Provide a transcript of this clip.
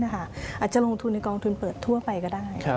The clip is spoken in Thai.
อาจจะลงทุนในกองทุนเปิดทั่วไปก็ได้